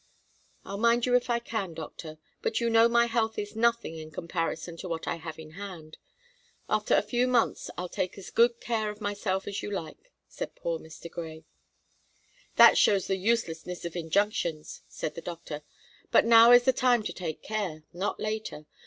"I'll mind you if I can, doctor, but you know my health is nothing in comparison to what I have in hand. After a few months I'll take as good care of myself as you like," said poor Mr. Grey. "That shows the uselessness of injunctions," said the doctor. "But now is the time to take care, not later.